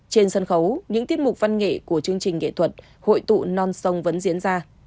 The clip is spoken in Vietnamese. trên sân khấu những tiết mục văn nghệ của chương trình nghệ thuật hội tụ non sông vẫn diễn ra